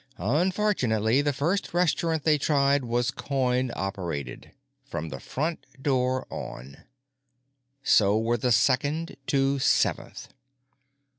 Unfortunately the first restaurant they tried was coin operated—from the front door on. So were the second to seventh.